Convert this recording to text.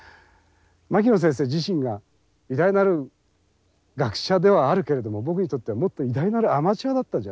牧野先生自身が偉大なる学者ではあるけれども僕にとってはもっと偉大なるアマチュアだったんじゃないか。